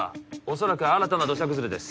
恐らく新たな土砂崩れです